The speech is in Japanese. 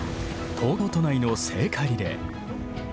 東京都内の聖火リレー。